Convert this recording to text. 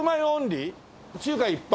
中華一般？